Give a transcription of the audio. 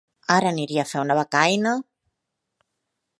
Ara aniria a fer una becaina.